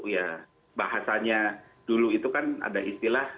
ya bahasanya dulu itu kan ada istilah